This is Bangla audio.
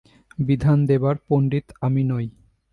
বিধান দেবার পণ্ডিত আমি নই।